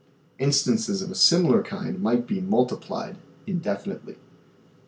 Instances of a similar kind might be multiplied in definitely.